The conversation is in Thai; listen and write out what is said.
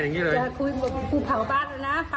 นักข่าวเราคุยกับป้าลินะครับป้าลิเนี่ยก็เล่าให้ฟังนะครับ